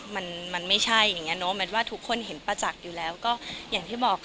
มันมันไม่ใช่อย่างเงี้ยเนาะ